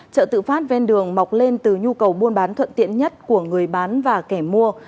chợ tự phát ven đường mọc lên từ nhu cầu buôn bán thuận tiện nhất của người bán và kẻ mua